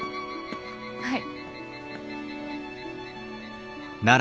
はい。